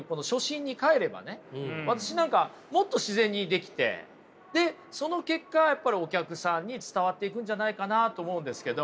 私なんかもっと自然にできてでその結果やっぱりお客さんに伝わっていくんじゃないかなと思うんですけど。